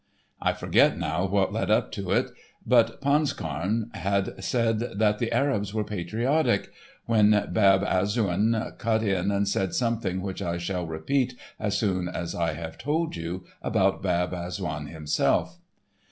I forget now what led up to it, but Ponscarme had said that the Arabs were patriotic, when Bab Azzoun cut in and said something which I shall repeat as soon as I have told you about Bab Azzoun himself.